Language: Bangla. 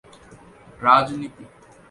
রাজনীতি